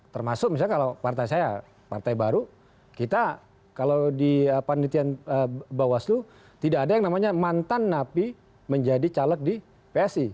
termasuk misalnya kalau partai saya partai baru kita kalau di panitian bawaslu tidak ada yang namanya mantan napi menjadi caleg di psi